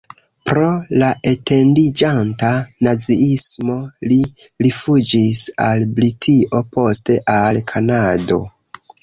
Pro la etendiĝanta naziismo li rifuĝis al Britio, poste al Kanado.